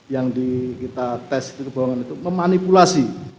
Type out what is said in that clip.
yang di kita tes itu kebohongan itu memanipulasi